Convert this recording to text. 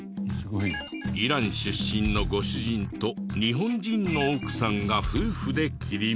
イラン出身のご主人と日本人の奥さんが夫婦で切り盛り。